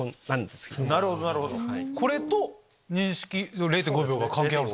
これと認識０．５秒が関係ある？